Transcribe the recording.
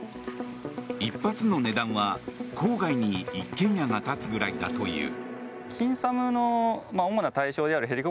１発の値段は郊外に一軒家が建つぐらいだという。